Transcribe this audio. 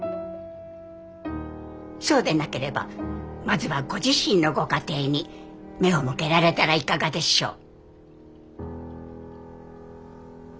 そうでなければまずはご自身のご家庭に目を向けられたらいかがでしょう。